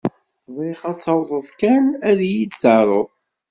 Bɣiɣ ad tawḍeḍ kan ad yi-d-taruḍ.